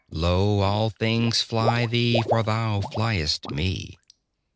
Lo, all things fly thee, for thou fliest Me!